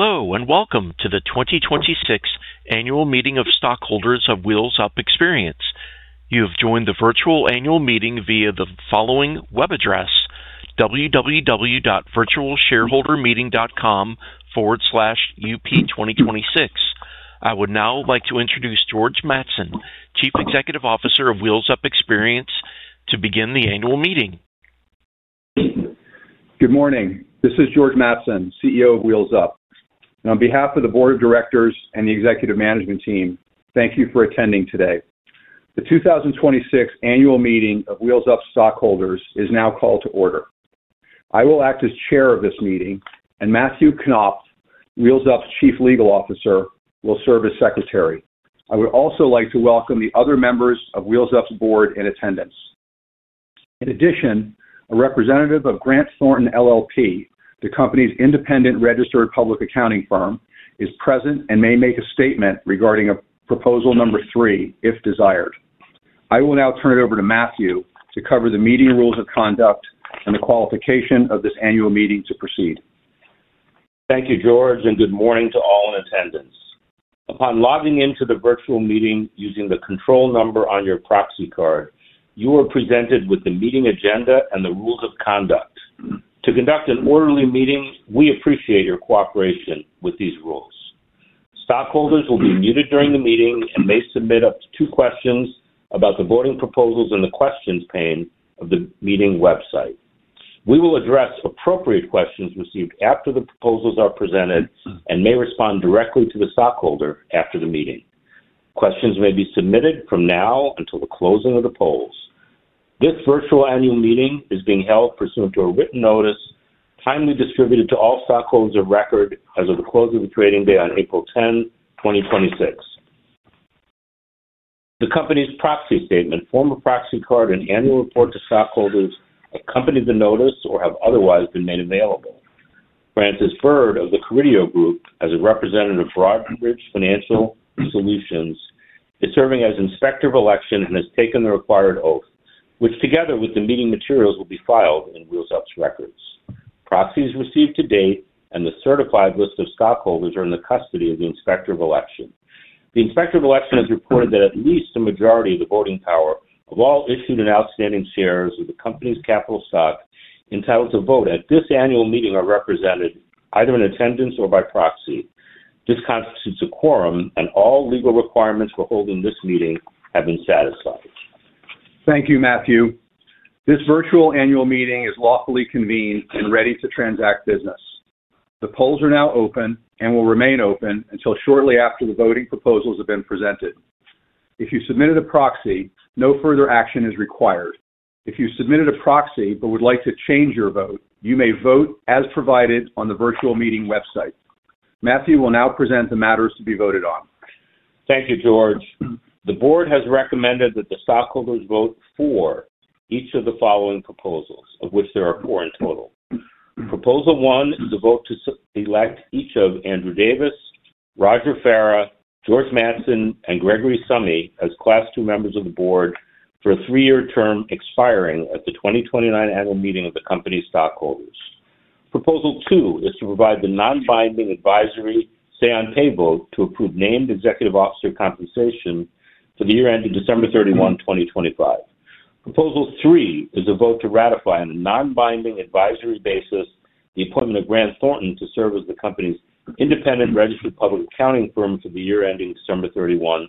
Hello, welcome to the 2026 Annual Meeting of Stockholders of Wheels Up Experience. You have joined the virtual annual meeting via the following web address, www.virtualshareholdermeeting.com/up2026. I would now like to introduce George Mattson, Chief Executive Officer of Wheels Up Experience, to begin the annual meeting. Good morning. This is George Mattson, CEO of Wheels Up, on behalf of the board of directors and the executive management team, thank you for attending today. The 2026 annual meeting of Wheels Up stockholders is now called to order. I will act as chair of this meeting, Matthew Knopf, Wheels Up's Chief Legal Officer, will serve as secretary. I would also like to welcome the other members of Wheels Up's board in attendance. In addition, a representative of Grant Thornton LLP, the company's independent registered public accounting firm, is present and may make a statement regarding proposal number three if desired. I will now turn it over to Matthew to cover the meeting rules of conduct and the qualification of this annual meeting to proceed. Thank you, George, good morning to all in attendance. Upon logging in to the virtual meeting using the control number on your proxy card, you were presented with the meeting agenda and the rules of conduct. To conduct an orderly meeting, we appreciate your cooperation with these rules. Stockholders will be muted during the meeting and may submit up to two questions about the voting proposals in the questions pane of the meeting website. We will address appropriate questions received after the proposals are presented and may respond directly to the stockholder after the meeting. Questions may be submitted from now until the closing of the polls. This virtual annual meeting is being held pursuant to a written notice timely distributed to all stockholders of record as of the close of the trading day on 10 April, 2026. The company's proxy statement, form of proxy card, annual report to stockholders accompany the notice or have otherwise been made available. Francis Bird of The Carideo Group, as a representative of Broadridge Financial Solutions, is serving as Inspector of Election and has taken the required oath, which together with the meeting materials, will be filed in Wheels Up's records. Proxies received to date and the certified list of stockholders are in the custody of the Inspector of Election. The Inspector of Election has reported that at least a majority of the voting power of all issued and outstanding shares of the company's capital stock entitled to vote at this annual meeting are represented either in attendance or by proxy. This constitutes a quorum, all legal requirements for holding this meeting have been satisfied. Thank you, Matthew. This virtual annual meeting is lawfully convened and ready to transact business. The polls are now open and will remain open until shortly after the voting proposals have been presented. If you submitted a proxy, no further action is required. If you submitted a proxy but would like to change your vote, you may vote as provided on the virtual meeting website. Matthew will now present the matters to be voted on. Thank you, George. The board has recommended that the stockholders vote for each of the following proposals, of which there are four in total. Proposal one is a vote to elect each of Andrew Davis, Roger Farah, George Mattson, and Greg Summe as Class II members of the board for a three-year term expiring at the 2029 annual meeting of the company's stockholders. Proposal two is to provide the non-binding advisory say-on-pay vote to approve named executive officer compensation for the year ending December 31, 2025. Proposal three is a vote to ratify on a non-binding advisory basis the appointment of Grant Thornton to serve as the company's independent registered public accounting firm for the year ending December 31,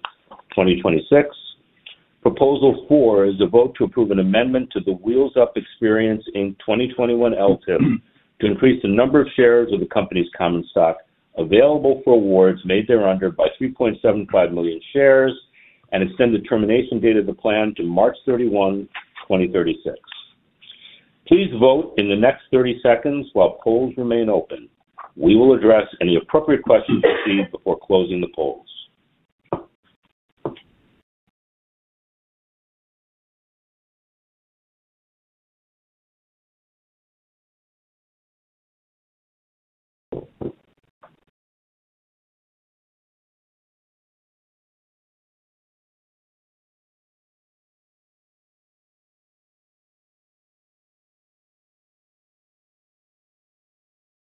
2026. Proposal four is a vote to approve an amendment to the Wheels Up Experience Inc. 2021 LTIP to increase the number of shares of the company's common stock available for awards made thereunder by 3.75 million shares and extend the termination date of the plan to March 31, 2036. Please vote in the next 30 seconds while polls remain open. We will address any appropriate questions received before closing the polls.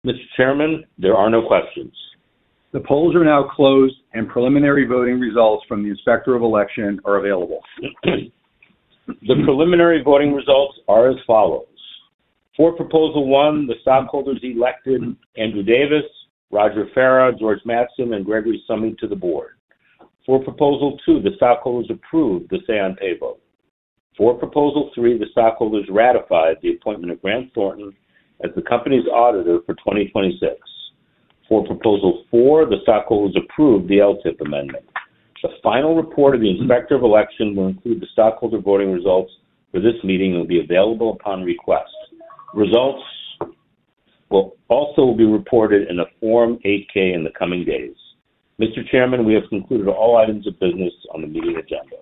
Mr. Chairman, there are no questions. The polls are now closed, and preliminary voting results from the Inspector of Election are available. The preliminary voting results are as follows. For proposal 1, the stockholders elected Andrew Davis, Roger Farah, George Mattson, and Greg Summe to the board. For proposal 2, the stockholders approved the say-on-pay vote. For proposal 3, the stockholders ratified the appointment of Grant Thornton as the company's auditor for 2026. For proposal 4, the stockholders approved the LTIP amendment. The final report of the Inspector of Election will include the stockholder voting results for this meeting and will be available upon request. Results will also be reported in a Form 8-K in the coming days. Mr. Chairman, we have concluded all items of business on the meeting agenda.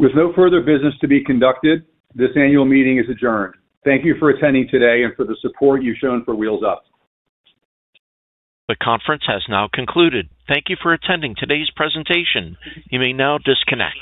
With no further business to be conducted, this annual meeting is adjourned. Thank you for attending today and for the support you've shown for Wheels Up. The conference has now concluded. Thank you for attending today's presentation. You may now disconnect.